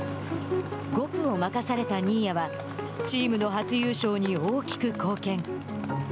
５区を任された新谷はチームの初優勝に大きく貢献。